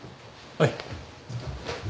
はい。